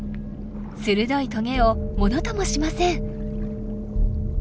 鋭いトゲをものともしません。